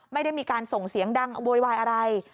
ไม่ได้มีการส่งเสียงดังโวยวายอะไร